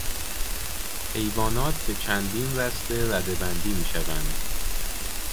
حیوانات به چندین رسته ردهبندی میشوند.